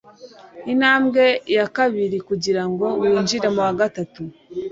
intambwe ya kabiri kugirango winjire mu wa gatatu